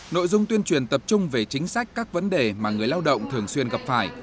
nội dung tuyên truyền tập trung về chính sách các vấn đề mà người lao động thường xuyên gặp phải